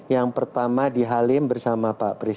yang pertama di halim bersama pak presiden